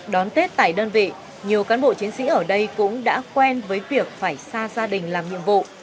đón tết tại đơn vị nhiều cán bộ chiến sĩ ở đây cũng đã quen với việc phải xa gia đình làm nhiệm vụ